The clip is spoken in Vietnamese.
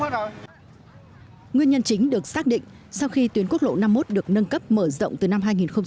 điều chính được xác định sau khi tuyến quốc lộ năm mươi một được nâng cấp mở rộng từ năm hai nghìn một mươi ba